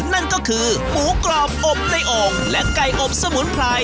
นั่นก็คือหมูกรอบอบในโอ่งและไก่อบสมุนไพร